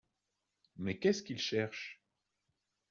Mais qu’est-ce qu’il cherche ?